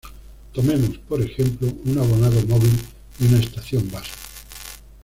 Tomemos, por ejemplo, un abonado móvil y una estación base.